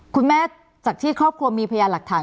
คุณแม่จากที่ครอบครัวมีพยานหลักฐาน